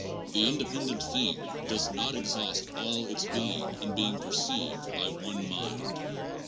The independent thing does not exhaust all its being in being perceived by one mind.